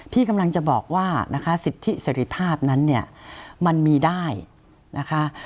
พี่กำลังจะบอกว่านะคะสิทธิเสร็จภาพนั้นเนี่ยมันมีได้นะคะ